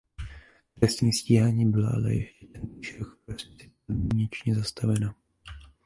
Trestní stíhání bylo ale ještě tentýž rok v prosinci podmínečně zastaveno.